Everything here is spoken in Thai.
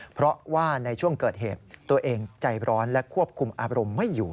เพราะว่าในช่วงเกิดเหตุตัวเองใจร้อนและควบคุมอารมณ์ไม่อยู่